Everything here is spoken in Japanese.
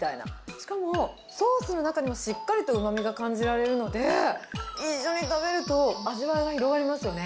しかも、ソースの中にもしっかりとうまみが感じられるので、一緒に食べると味わいが広がりますよね。